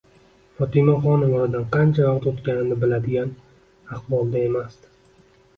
Fotimaxonim oradan qancha vaqt o'tganini biladigan ahvolda emasdi.